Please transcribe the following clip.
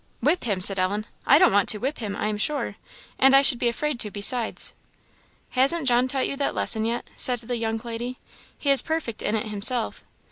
"Whip him!" said Ellen; "I don't want to whip him, I am sure; and I should be afraid too, besides." "Hasn't John taught you that lesson, yet?" said the young lady; "he is perfect in it himself.